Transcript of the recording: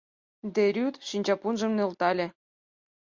— Де Рюйт шинчапунжым нӧлтале.